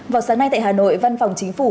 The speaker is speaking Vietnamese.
vào sáng nay tại hà nội văn phòng chính phủ